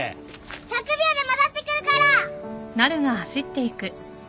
１００秒で戻ってくるから。